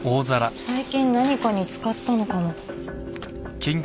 最近何かに使ったのかも。